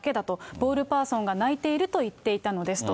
ボールパーソンが泣いていると言っていたのですと。